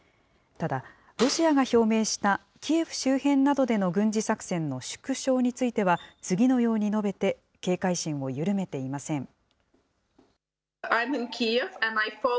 ただ、ロシアが表明したキエフ周辺などでの軍事作戦の縮小については、次のように述べて、警戒心を緩めていません。